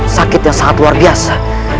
sakit yang sangat luar biasa